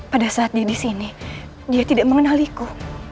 pada saat dia di sini dia tidak mengenaliku